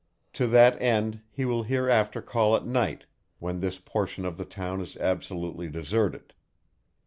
To that end he will hereafter call at night, when this portion of the town is absolutely deserted.